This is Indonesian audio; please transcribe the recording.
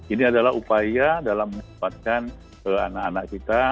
ini adalah upaya dalam menyempatkan anak anak kita